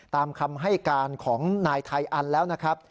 ตามคำให้การของนายไทยอันแล้วนะครับ